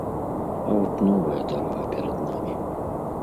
А от новая дарога перад намі.